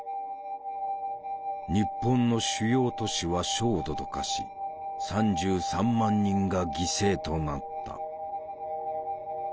日本の主要都市は焦土と化し３３万人が犠牲となった。